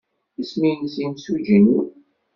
Isem-nnes yimsujji-nwen?